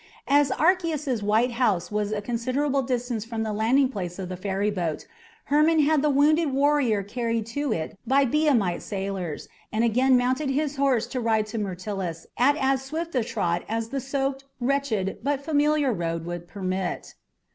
As Archias's white house was a considerable distance from the landing place of the ferryboat, Hermon had the wounded warrior carried to it by Biamite sailors, and again mounted his horse to ride to Myrtilus at as swift a trot as the soaked, wretched, but familiar road would permit.